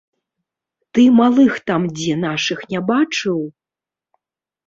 Ты малых там дзе нашых не бачыў?